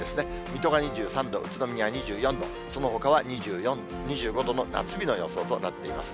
水戸が２３度、宇都宮２４度、そのほかは２４度、２５度の夏日の予想となっています。